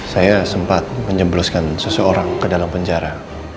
saya sempat menjebloskan seseorang ke dalam penjara